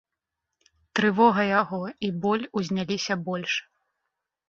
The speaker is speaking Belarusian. Трывога яго і боль узняліся больш.